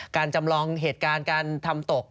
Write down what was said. จำลองเหตุการณ์การทำตก